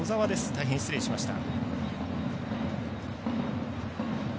大変失礼しました。